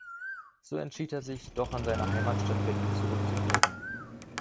So entschied er sich, doch in seine Heimatstadt Berlin zurückzukehren.